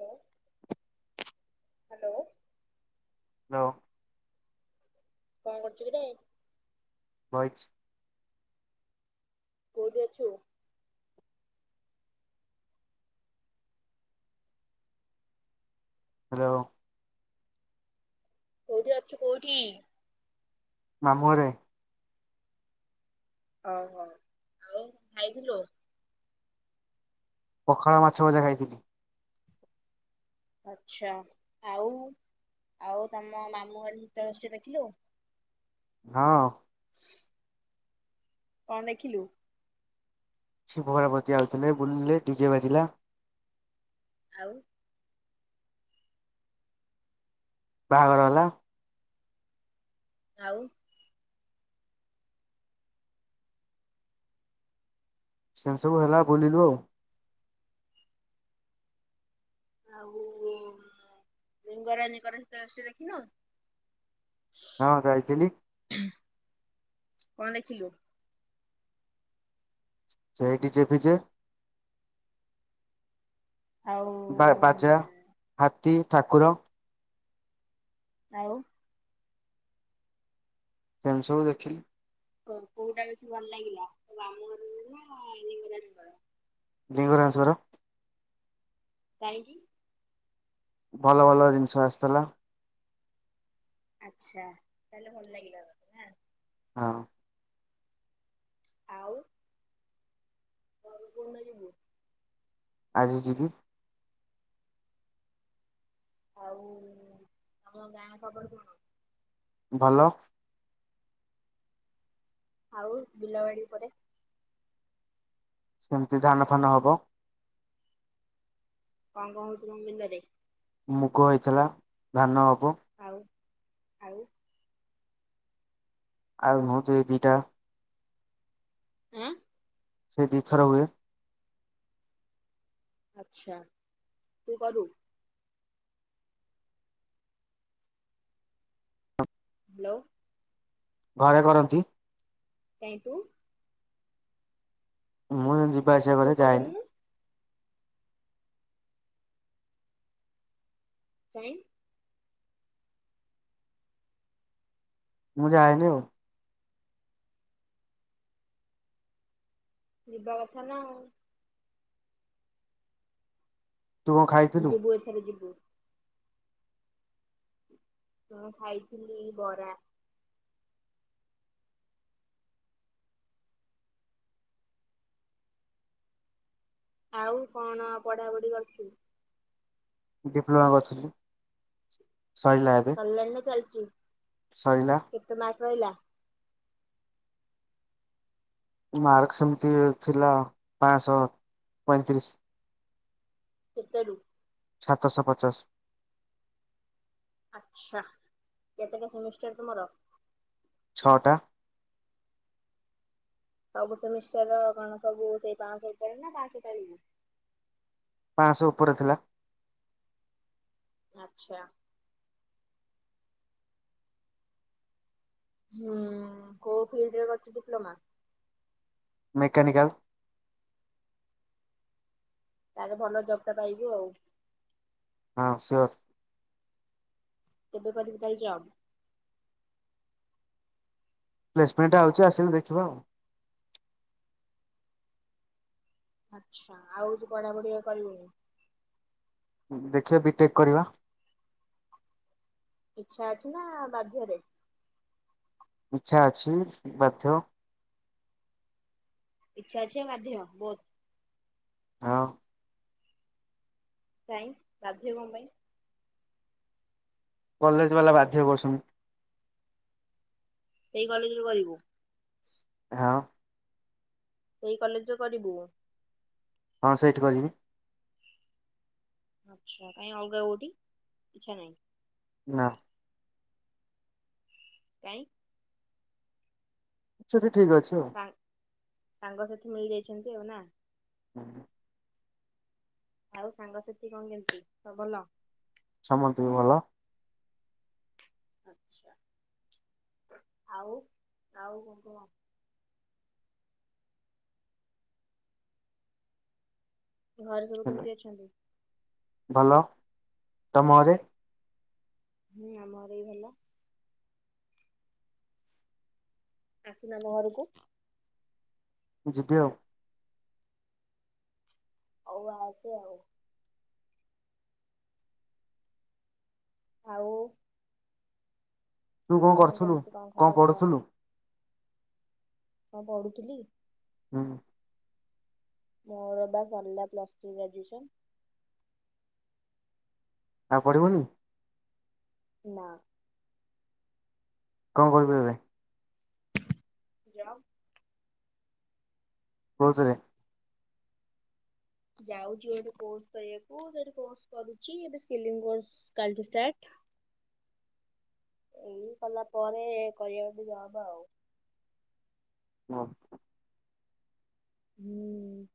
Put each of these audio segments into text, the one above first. Hello hello hello କଣ କରୁଛୁ କିରେ ବଞ୍ଚ୍ ବ ଅଛୁ ହ୍ୟାଲୋ କଉଠି ଯଛ କଉଠି ମାମୁରେ ଓହୋ ଆଉ ଖାଇଥିଲୁ ପଖାଳ, ମାଛ ଭଜା ଖାଇଥିଲି। ଆଛା, ଆଉ, ଆଉ ତମ ମାମୁଁ ଶୀତଳ ଷଷ୍ଠୀ ଦେଖିଲୁ। ହଁ। କଣ ଦେଖିଲୁ? ଶିବ ପାର୍ବତୀ ଆଉଥିଲେ ବୁଲିଲେ ଡିଜେ ବାଜିଲା। ଆଉ ବାହାଘର ହେଲା। ଆଉ ସେମତି ସବୁ ହେଲା ବୁଲିଲୁ ଆଉ। ଆଉ ଲିଙ୍ଗରାଜଙ୍କର ଶୀତଳ ଷଷ୍ଠୀ ଦେଖିନ। ହଁ ଯାଇଥିଲି। କଣ ଦେଖିଲୁ? ସେଇଟି ଚେପିଚେ। ଆଉ ବା ବାଜା ହା ନ୍ତି ଠାକୁର। ଆଉ। ଏମତି ସବୁ ଦେଖିଲି। କୋଉଟା ବେଶୀ ଭଲ ଲାଗିଲା ମାମୁଁଘର ର ନା ଲିଙ୍ଗରାଜଙ୍କର। ଲିଙ୍ଗରାଜଙ୍କର। କାଇଁକି? ଭଲ ଭଲ ଜିନିଷ ଆସିଥିଲା। ଆଚ୍ଛା ତାହେଲେ ଭଲ ଲାଗିଲା ନ। ହଁ। ଆଉ। [unintelligible] ଆଜି ଯିବି। ଆଉ ଆମ ଗାଁ ଖବର କଣ? ଭଲ। ଆଉ ବିଲବାଡି ପରେ ସେମିତି ଧାନ ଫାନ ହବ। କଣ କଣ ହଉଛି କ ବିିଲରେ? ମୁଗ ହେଇଥିଲା ଧାନ ହ ଆଉ। ଆଉ। ଆଉ ହଁ ଯେ ଏ ଦିଟା। ଆଁ ସେ ଦି ଥର ହୁଏ। ଆଛା, ତୁ କରୁ। ହ୍ୟାଲୋ। ଘରେ କରନ୍ତି। କାଇଁ ତୁ? ମୁଁ ଯିବା ଆସିବା ତୁ କରେ ଯାଏ। କରୁନୁ କାଇଁ? ମୁଁ ଯାଏନି ଆଉ। ଯିବା କଥା ନା ଆଉ। ତୁ କଣ ଖାଇଥିଲୁ ଯିବୁ ଏଥରେ ଯିବୁ। ମୁଁ ଖାଇଥିଲି ବରା ଆଉ କଣ ପଢାପଢି କରିଛୁ। ଡିପ୍ଲୋମା ଗଛଲି କଲଣେ ଚାଲିଛି। ଜ ସରିଲା। ରଲା। ମାର୍କ ସେମିତି ଥିଲା ପାଞ୍ଚଶହ ପଇଁତିରିଶ କେତରୁ ସାତରଶହ ପଚାଶ ଆଚଛା କେତେ କେ ସେମିଷ୍ଟର ତୁମର ଛଅଟା ସବୁ ସେ ମିଷ୍ଟର କଣ ସବୁ ସେଇ ପାଞ୍ଚଶ ନା ପାଞ୍ଚଶହ ପାଳି ରେ ଥିଲା। ଆ୍ଛା। ହୁଁ କୋଉ ଫିଲ୍ଡ ରେ କରଛି ଡିପ୍ଲୋମା ମେକାନିକାଲ ତାାର ଭଲ ଜବ୍ ଟା ପାଇବୁ ଆଉ। ହଁ ସାର୍। [inaudible] ପ୍ଲେସମେଣ୍ଟଆଉଛି ଆସିଲେ ଦେଖିବା ଆଉ। ଆଚ୍ଛା ଆଉ ତୁ ପଢାପଢି କରିବୁନି ଦେଖିବା ବିଟେକ୍ କରିବା। ଇଚ୍ଛା ଅଛି ନା ବାଧ୍ୟରେ ଇଚ୍ଛା ଅଛି ବାଧ୍ୟ ଇଚ୍ଛା ଅଛି ଆଉ ବାଧ୍ୟ ବୋଥ ହଁ। କାଇଁ ବାଧ୍ୟ କଁ ପାଇଁ କଲେଜ ବାଲା ବାଧ୍ୟ କରୁଛନ୍ତି। ସେଇ କଲେଜରେ କରିବୁ। ହଁ। ସେଇ କଲେଜରୁ କରିବୁ। ହଁ ସେଇଠି କରିବି। ଆଚ୍ଛା କାଇଁ ଅଲଗା କୋଉଠି ଇଚ୍ଛା ନାହିଁ। ନା। କାଇଁ [inaudible] ଠିକ୍ ଅଛି ଆଉ। ସାଙ୍ଗ ସାଥି ମିଳିଯାଇଛନ୍ତି ଆଉ ନା। [inaudible] ଆଉ ସାଙ୍ଗସାଥି କଣ କେମିତି ସବ୍ ଭଲ ସମନ୍ତେ ଭଲ। ଆଛା ଆଉ ଆଉ କଣ କହ। ଘରେ ସବୁ କେମିତି ଅଛନ୍ତି। ଭଲ ତମ ଘରେ ହୁଁ ଆମ ଘରେ ବି ଭଲ ଆସୁନା ଆମ ଘରକୁ ଯିବି ଆଉ। ହଉ ଆସେ ଆଉ ଆଉ। ତୁ ଆଉ କଣ କରୁଥୁଲୁ କେମିତି କଣ ଖବର କହ? ପଢୁଥୁଲୁ? ହଁ ପଢୁଥିଲି। ହୁଁ। ମୋର ପା ସର୍ଲା ପ୍ଲସ୍ ଥ୍ରି ଗ୍ରାଜୁଏସନ୍ ଆଉ ପଢିବୁନି। ନା। କଣ କରିବୁ ଏବେ ଜବ୍। କୋଉଥିରେ ଯାଉଛି ଗୋଟେ କୋର୍ସ୍ କରିବାକୁ ସେଠି କୋର୍ସ କରୁଛିା ସ୍କିଲିଙ୍ ୱାଲ୍ଡ କାଲ୍ ଠୁ ଷ୍ଟାର୍ଟ କଲା ପରେ କରିବା ଯବ ଆଉ। ହଁ। ହୁଁ।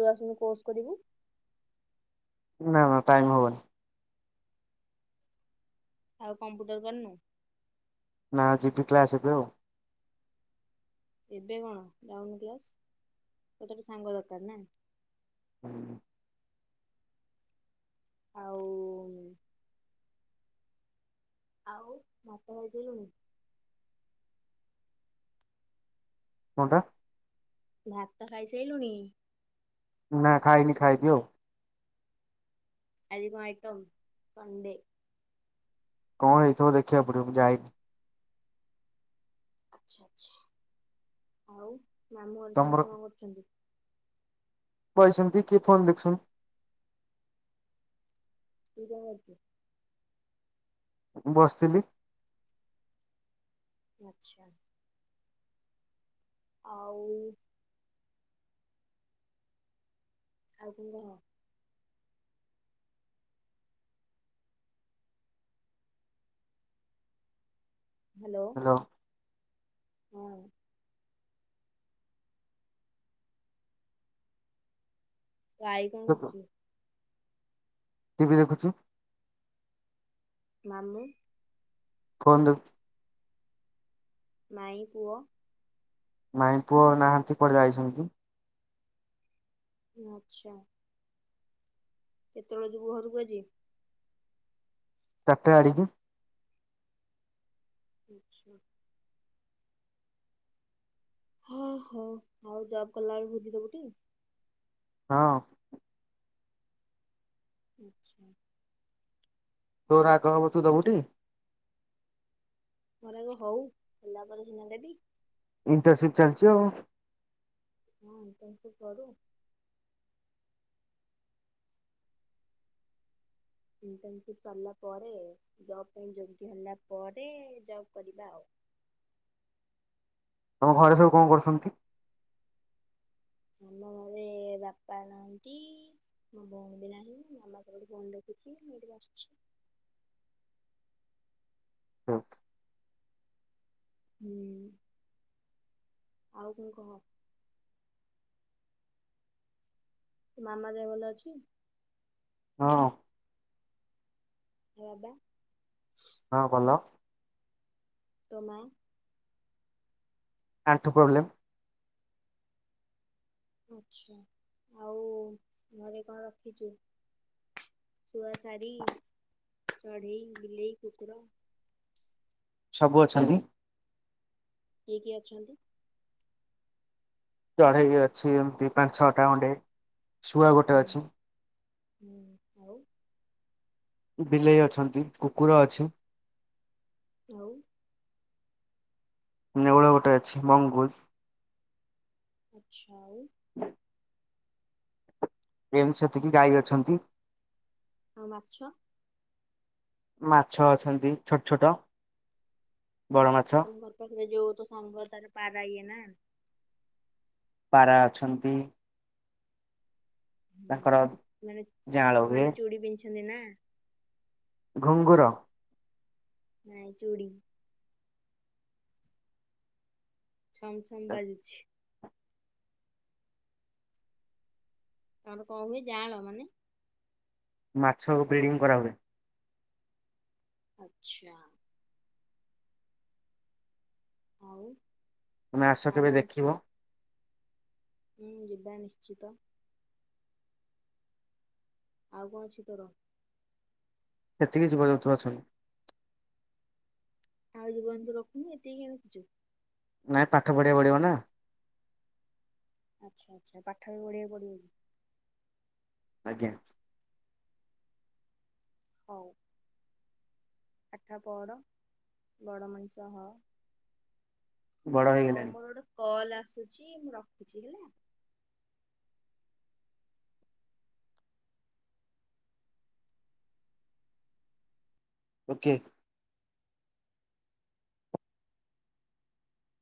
ତୁ ଆସୁନୁ କୋର୍ସ କରିବୁ। ନା ନା ଟାଇମ ହବନି ଆଉ କମ୍ପ୍ୟୁଟର କରନୁ। ନା ଯିବି କ୍ଲାସ ହେବେ ଆଉ। ଏବେ କଣ ଡାଉନ ଗ୍ଲାସ ମତେଟ ସାଙ୍ଗ ଦରକାର ନା। ହୁଁ। ହଉ। ଆଉ ମାତା ଭଜିଲୁଣି କଟା। ଭାତ ଟ ଖାଇଛାଇଇଲୁନି। ନା ଖାଇନି ଖାଇ ପିଉ ଆଜିମଟମ୍ ପଣ୍ଡେ କଣ ହେଇଥିବ ଦେଖିବାକୁ ପଡିବ ଯାାଇନି। ଆଛା ଆଛା ଆଉ। ମାମଁ ଘରେ ସମସ୍ତେ କଣ କରଛନ୍ତି। କହିଛନ୍ତି କିଏ ଫୋନ୍ ଦେଖୁସନ୍ ଗହତି ବସିଥିଲି। ଆଚ୍ଛା। ଆଉ ଆଉ କଙ୍କ ହ୍ୟାଲୋ। ହଁ। ତ ଭାଇ କଣ କରୁଛିୁ। ଭି ଦେଖୁଛୁ। ନନ୍ଦି ଫନ୍ତ ମାଇ ପୁଅ? ନାଇଁ ପୁଅ ନାହାନ୍ତି କୁଆଡେ ଯାଇଛନ୍ତି। ଆଚ୍ଛା। କେତେବେଳ ଯିବୁ ଘରକୁ ଆଜି? ଚାରିଟା ଆଡିକି। ଆଚ୍ଛା। ହଁ ହଁ ଆଉ ଜବ୍ କଲାବେଳେ ଭୋଜିଦବୁ ଟି? ହଁ। ଆଚ୍ଛା। ଆଉ ତୋର ଆଗ ହବ ତୁ ଦବୁ ଟି। ଘରେଗ ହଉ ହେଲା ପରେ ସିହନା ଦେବି। ଇଣ୍ଟର୍ଶସିପ ଚାଲଛି ଆଉ। ହଁ ତ ସେ କରୁ। ଇଣ୍ଟପ ସରିଲା ପରେ ଜବ ପାଇଁ ଯୋଗ ହେଲା ପରେ ଜବ କରିବା ଆଉ। ତମ ଘରେ ସବୁ କଣ କରୁଛନ୍ତି? ଆମ ଘରେ ବାପା ନାହାନ୍ତି। ମୋ ଭଉଣୀ ବି ନାହିଁ। ମାମା ସେପଟେ ଫୋନ ଦେଖୁଛି। ମୁଁ ଏଠିକି ଆସିଛି। ହଁ। ହୁଁ ଆଉ କଣ କହ। ମାମା ଦେହ ଭଲ ଅଛି? ହଁ। [unintelligible] ହଁ ଭଲ। ତମ ଆଠୁ ପ୍ରବ୍ଲେମ୍। ଆଛା ଆଉ ଘରେ କଣ ରଖିଛୁ ଛୁଆ ସାରୀ ଚଢେଇ ବିଲେଇ କୁକୁର? ସବୁ ଅଛନ୍ତି। କିଏ କିଏ ଅଛନ୍ତି? ଚଢେଇ ଅଛି ଏମତି ପାଞ୍ଚ ଛଅଟା ଖଣ୍ଡେ ଶୁଆ ହୁଁ ଗୋଟେ ଅଛି। ହୁଁ ଆଉ। ବିଲେଇ ଅଛନ୍ତି କୁକୁର ଅଛି। ଆଉ। ନେଉଳ ଗୋଟେ ଅଛି ମଙ୍ଗୂଜ। ଆଛା ଆଉ। ପ୍ରେମ ସେତିକି ଗାଈ ଅଛନ୍ତି। ଆଉ ମାଛ? ମାଛ ଅଛନ୍ତି ଛୋଟ ଛୋଟ। ବଡ ମାଛ, ଆଉ ତମ ଘର ପାଖରେ ଯୋଉ ତ ସାଙ୍ଗ ତାର ପାରା ଇଏ ନା। ପାରା ଅଛନ୍ତି। ହୁଁ [unintelligible] ଅଛନ୍ତି ନା। ଘୁଁଘୁର ନାଁ ଚୁଡ଼ି ଛମଛମ ବାଜୁଛି। ତାଙ୍କର କଣ ହୁଏ ଯାଆଁଳ ମାନେ। ମାଛ ବ୍ରିଡିଂ କରାହୁଏ। ଆଛା। ଆଉ। ତମେ ଆସ ଆଉ କେବେ କଣ ଅଛି? ଦେଖିବ। ହୁଁ ଯିବା ନିଶ୍ଚିତ। ଆଉ କଣ ଅଛି ତୋର। ସେତିକି ଜୀବ ଯୁନ୍ତୁ ଅଛନ୍ତି। ଆଉ ଜୀବ ଯନ୍ତୁ ରଖୁନୁ ଏତିକି କାଇଁ ରକ୍ଷୀଛୁ। ନାଇଁ ପାଠ ପଢିବାକୁ ପଢିବ ନା। ଆଛା ଆଛା ପାଠ ବି ପଢ଼ିଆକୁ ପଡିବ କି। ଆଜ୍ଞା। ହଉ। ପାଠ ପଡ଼ ବଡ଼ ମଣିଷ ହ। ବଡ଼ ହଉ ହୋଇଗଲଣି। ମୋର ଗୋଟେ କଲ୍ ଆସୁଛି ମୁଁ ରଖିଛି ହେଲା। ଓକେ।